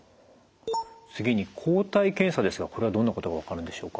次に抗体検査ですがこれはどんなことが分かるんでしょうか？